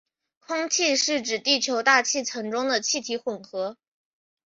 空气是指地球大气层中的气体混合。